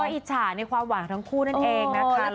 ก็อิจฉาในความหวานทั้งคู่นั่นเองนะคะแล้วก็เลยแข่งในตัว